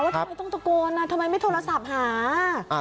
ทำไมต้องตะโกนทำไมไม่โทรศัพท์หา